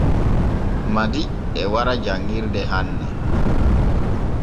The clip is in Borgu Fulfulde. Madi e wara janŋirde hanne.